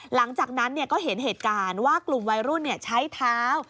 หลังจากนั้นก็เห็นเหตุการณ์ว่ากลุ่มวัยรุ่นใช้เท้า